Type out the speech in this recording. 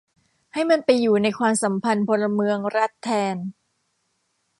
ให้มันไปอยู่ในความสัมพันธ์พลเมือง-รัฐ แทน